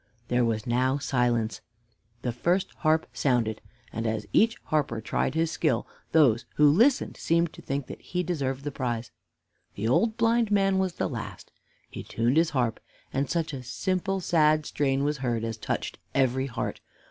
There was now silence. The first harp sounded, and as each harper tried his skill, those who listened seemed to think that he deserved the prize. The old blind man was the last. He tuned his harp, and such a simple, sad strain was heard as touched every heart.